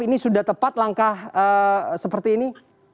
ini sudah tepat langkah seperti ini